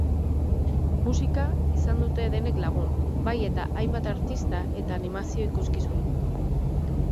Musika izan dute denek lagun, bai eta hainbat artista eta animazio-ikuskizun.